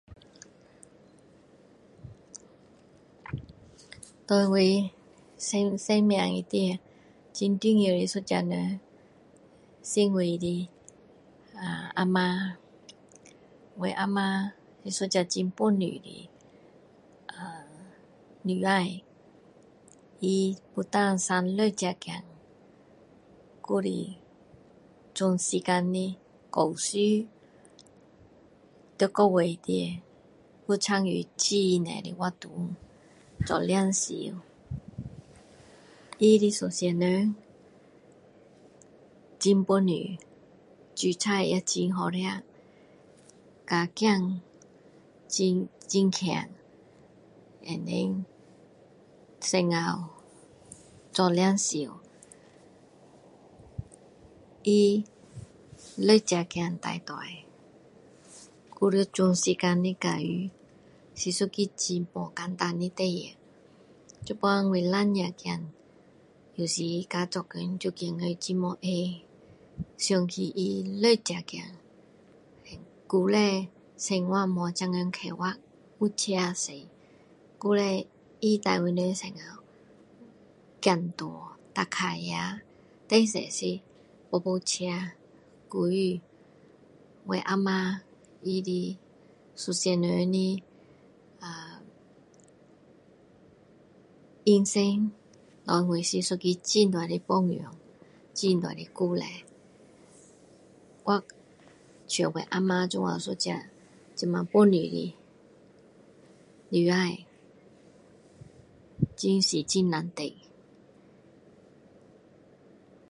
对我生命里面很重要的一个人是我的啊妈我啊妈是一个很本事的女士他生六个孩子还是算时间教书在教会里面还参加很多活动做领袖他的一身很本事也很厉害煮菜教孩子很厉害and then到处做领袖他把六个孩子教大还要全时间教书是一个很不简单的事现在我两个孩子有时加做工都觉得很没有空想起他六个孩子以前生活没有现在快过有车开以前他带我们时走路骑脚车最多是波波车所以我啊妈她的一生的人生我是很多的鼓励像我啊妈这样这么本身的女士真是真难得